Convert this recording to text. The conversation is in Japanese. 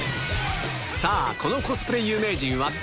さあ、このコスプレ有名人は誰？